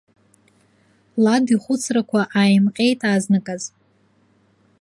Лад ихәыцрақәа ааимҟьеит азныказ.